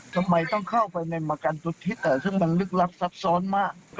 ทำไมต้องเข้าไปในประกันตัวที่แต่ซึ่งมันลึกลับซับซ้อนมาก